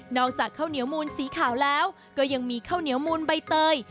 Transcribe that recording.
อกจากข้าวเหนียวมูลสีขาวแล้วก็ยังมีข้าวเหนียวมูลใบเตย